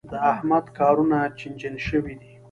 د احمد کارونه چينجن شوي دي.